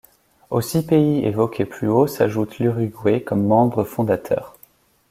Aux six pays évoqués plus haut s'ajoute l'Uruguay comme membre fondateur.